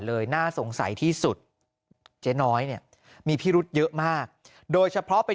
น่าสงสัยที่สุดเจ๊น้อยเนี่ยมีพิรุธเยอะมากโดยเฉพาะไป